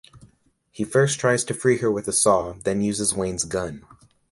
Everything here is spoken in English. He first tries to free her with a saw, then uses Wayne's gun.